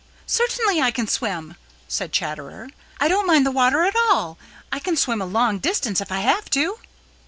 "Certainly I can swim," said Chatterer. "I don't mind the water at all. I can swim a long distance if I have to."